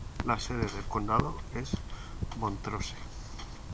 La sede del condado es Montrose.